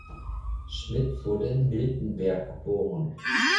Schmidt, wurde in Miltenberg geboren.